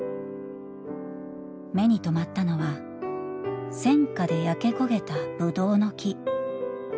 目に留まったのは戦火で焼け焦げたぶどうの木。